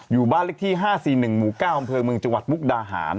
อยู่บ้านเล็กที่๕๔๑หมู๙บเมืองจวัดมุกดาหาร